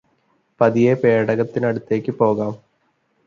പതിയെ പേടകത്തിനടുത്തേയ്ക് പോകാം